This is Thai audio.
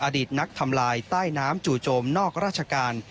อดีตนักทำลายใต้น้ำจู่โจมนอกราชการ